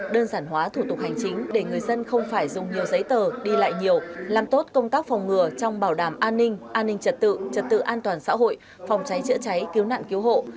đơn giản hóa thủ tục hành chính để người dân không phải dùng nhiều giấy tờ đi lại nhiều làm tốt công tác phòng ngừa trong bảo đảm an ninh an ninh trật tự trật tự an toàn xã hội phòng cháy chữa cháy cứu nạn cứu hộ